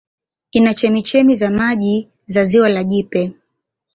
Ina chemchemi za maji za Ziwa la Jipe